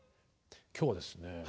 今日はですね